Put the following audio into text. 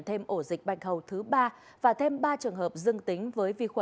thêm ổ dịch bạch hầu thứ ba và thêm ba trường hợp dương tính với vi khuẩn